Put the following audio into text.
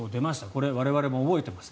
これ、我々も覚えています。